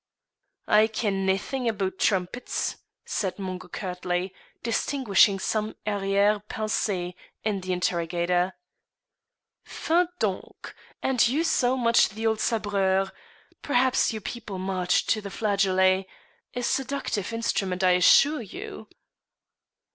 "I ken naething aboot trumpets," said Mungo curtly, distinguishing some arrière pensée in the interrogator. "Fi donc! and you so much the old sabreur! Perhaps your people marched to the flageolet a seductive instrument, I assure you."